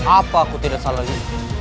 apa aku tidak salah ya